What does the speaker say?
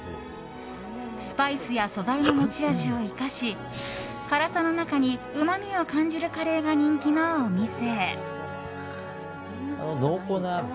スパイスや素材の持ち味を生かし辛さの中にうまみを感じるカレーが人気のお店。